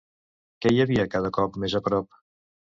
Què hi havia cada cop més a prop?